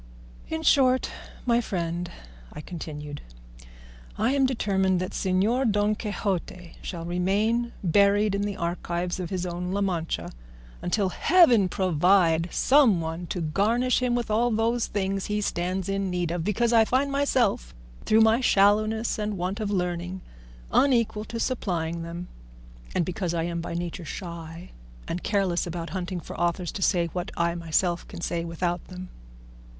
"In short, my friend," I continued, "I am determined that Señor Don Quixote shall remain buried in the archives of his own La Mancha until Heaven provide some one to garnish him with all those things he stands in need of; because I find myself, through my shallowness and want of learning, unequal to supplying them, and because I am by nature shy and careless about hunting for authors to say what I myself can say without them.